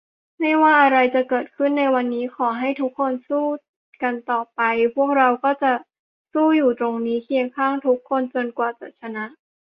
ไม่ว่าอะไรจะเกิดขึ้นในวันนี้ ขอให้ทุกคนสู้กันต่อไป พวกเราก็จะสู้อยู่ตรงนี้ เคียงข้างทุกคนจนกว่าจะชนะ